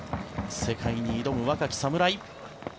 世界に挑む若き侍。